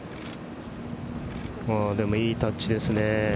いいタッチですね。